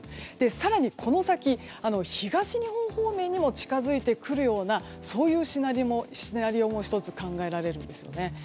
更にこの先東日本方面にも近づいてくるようなシナリオも１つ、考えられるんですよね。